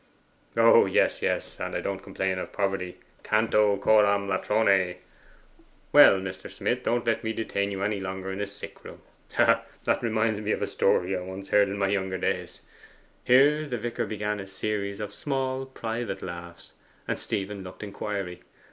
'Oh yes, yes; and I don't complain of poverty. Canto coram latrone. Well, Mr. Smith, don't let me detain you any longer in a sick room. Ha! that reminds me of a story I once heard in my younger days.' Here the vicar began a series of small private laughs, and Stephen looked inquiry.